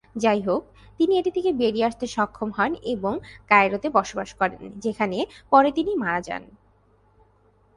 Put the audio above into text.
যাইহোক, তিনি এটি থেকে বেরিয়ে আসতে সক্ষম হন এবং কায়রোতে বসবাস করেন, যেখানে পরে তিনি মারা যান।